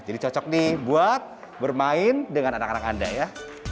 jadi cocok nih buat bermain dengan anak anak anda ya